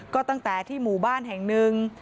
ก็ตั้งแต่ที่หมู่บ้านแห่งหนึ่ง